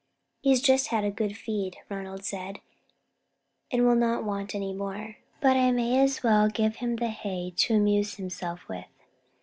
"He's just had a good feed," Ronald said, "and will not want any more, but I may as well give him the hay to amuse himself with.